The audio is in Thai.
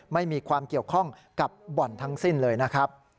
ไม่มีความเกี่ยวข้องกับบ่อนทั้งสิ้นเลยนะครับ